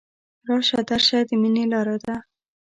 راشه درشه د ميني لاره ده